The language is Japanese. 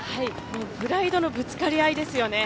プライドのぶつかり合いですよね。